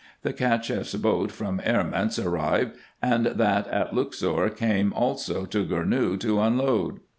The CachefF's boat from Erments arrived, and that at Luxor came also to Gournou to unload.